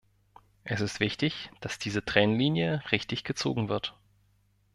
Es ist wichtig, dass diese Trennlinie richtig gezogen wird.